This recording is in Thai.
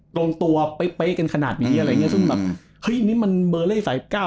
ตรงตัวเป๊ะกันขนาดนี้อะไรอย่างเงี้ซึ่งแบบเฮ้ยนี่มันเบอร์เลขสายเก้า